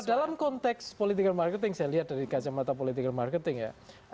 nah dalam konteks politikal marketing saya lihat dari kacamata politikal marketing ya